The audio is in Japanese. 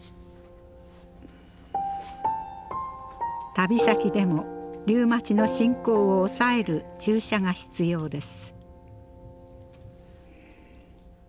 旅先でもリウマチの進行を抑える注射が必要です。